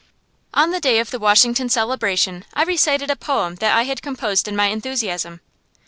On the day of the Washington celebration I recited a poem that I had composed in my enthusiasm.